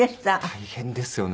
大変ですよね。